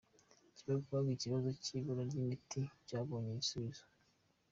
Kibagabaga Ikibazo cy’ibura ry’imiti cyabonye igisubizo